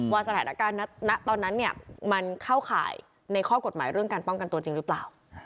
สถานการณ์ณตอนนั้นเนี่ยมันเข้าข่ายในข้อกฎหมายเรื่องการป้องกันตัวจริงหรือเปล่า